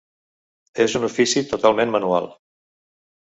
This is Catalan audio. És un ofici totalment manual.